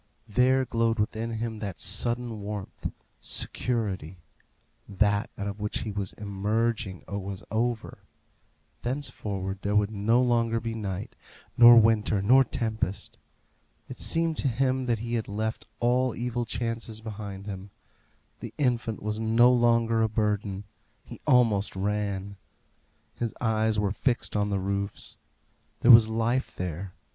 There glowed within him that sudden warmth security; that out of which he was emerging was over; thenceforward there would no longer be night, nor winter, nor tempest. It seemed to him that he had left all evil chances behind him. The infant was no longer a burden. He almost ran. His eyes were fixed on the roofs. There was life there.